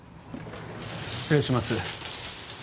失礼します。